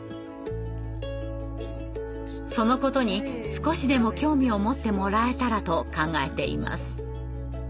そのことに少しでも興味を持ってもらえたらと考えています。